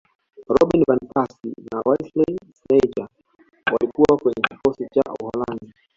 robin van persie na wesley snejder walikuwa kwenye kikosi cha uholanzi